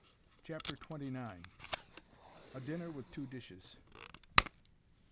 CHAPTER TWENTY NINE. A DINNER WITH TWO DISHES.